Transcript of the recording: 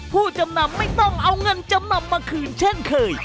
ผู้จำนำไม่ต้องเอาเงินจำนำมาคืนเช่นเคย